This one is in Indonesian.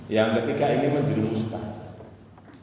yang ketiga ingin menjadi ustaz